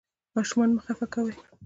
ماشومان مه خفه کوئ.